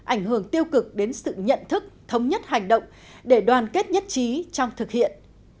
ảnh hưởng tiêu cực đến sự nhận thức thống nhất hành động để đoàn kết nhất trí trong thực hiện